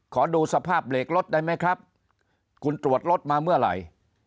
ขอดูสภาพเบรกรถได้ไหมครับคุณตรวจรถมาเมื่อไหร่